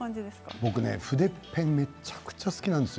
僕は筆ペンがめちゃくちゃ大好きなんです。